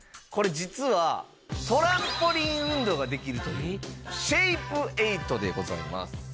これ実はトランポリン運動ができるというシェイプエイトでございます。